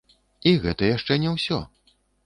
І гэта яшчэ не ўсё!